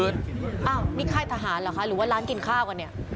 อ้าวนี่ค่ายทหารเหรอคะหรือว่าร้านกินข้าวกันเนี่ย